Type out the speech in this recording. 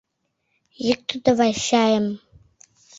— Йӱктӧ давай... чайым.